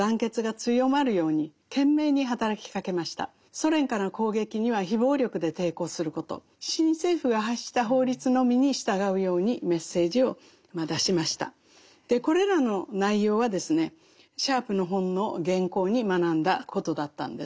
それに対してこれらの内容はですねシャープの本の原稿に学んだことだったんです。